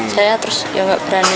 saya terus ya nggak berani